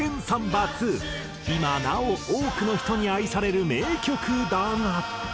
今なお多くの人に愛される名曲だが。